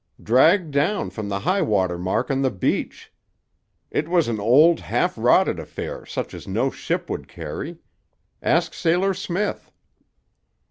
"Dragged down from the high water mark on the beach. It was an old half rotted affair such as no ship would carry. Ask Sailor Smith."